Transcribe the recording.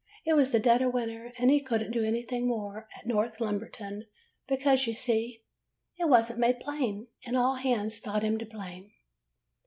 It was the dead of winter, and he could n't do anything more at North Lumberton, because, you see, it was n't made plain, and all hands thought him to blame.